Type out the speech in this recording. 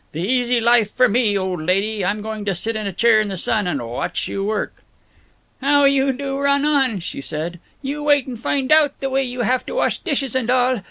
"The easy life for me, old lady. I'm going to sit in a chair in the sun and watch you work." "How you do run on!" she said. "You wait and find out the way you have to wash dishes and all.